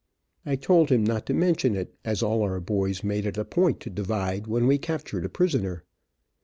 I told him not to mention it, as all our boys made it a point to divide when we captured a prisoner.